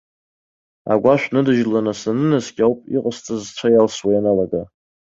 Агәашә ныдыжьланы санынаскьа ауп иҟалаз сцәа иалсуа ианалага.